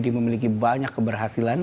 dia memiliki banyak keberhasilan